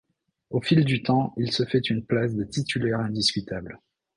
Au fil du temps, il se fait une place de titulaire indiscutable.